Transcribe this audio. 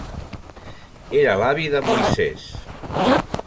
Era l'avi de Moisès.